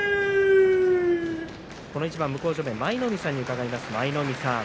この一番、向正面の舞の海さんに伺います。